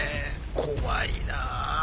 怖いな。